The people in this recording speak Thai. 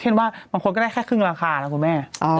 ว่าบางคนก็ได้แค่ครึ่งราคานะคุณแม่